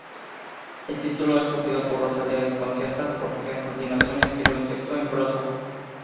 El título escogido por Rosalía desconcierta porque a continuación escribe un texto en prosa.